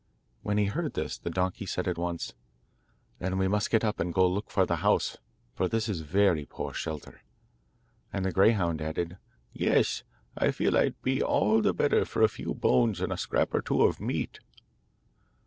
When he heard this, the donkey said at, once: 'Then we must get up, and go and look for the house, for this is very poor shelter.' And the greyhound added: 'Yes; I feel I'd be all the better for a few bones and a scrap or two of meat.